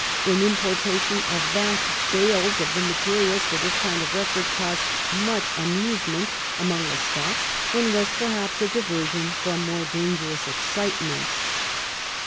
An importation of vast bales of the materials for this kind of record caused much amuse ment among the Scots, and was perhaps a diversion from more dangerous excitements."